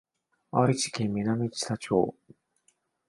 愛知県南知多町